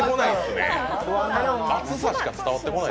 熱さしか伝わってこない。